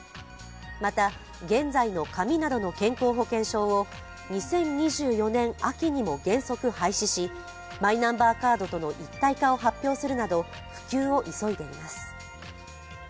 また、現在の紙などの健康保険証を２０２４年秋にも原則廃止しマイナンバーカードとの一体化を発表するなど普及を急いでいます。